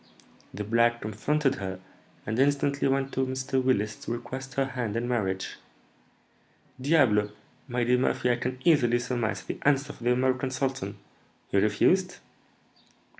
The black comforted her, and instantly went to Mr. Willis to request her hand in marriage." "Diable! my dear Murphy, I can easily surmise the answer of the American sultan, he refused?"